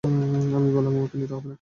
আমি বললাম, আমাকে নিতে হবে না।